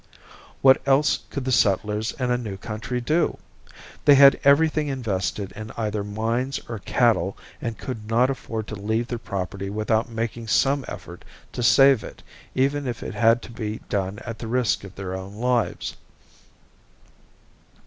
What else could the settlers in a new country do? They had everything invested in either mines or cattle and could not afford to leave their property without making some effort to save it even if it had to be done at the risk of their own lives.